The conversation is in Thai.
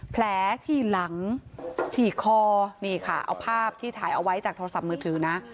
แผลที่หลังที่คอนี่ค่ะเอาภาพที่ถ่ายเอาไว้จากโทรศัพท์มือถือนะ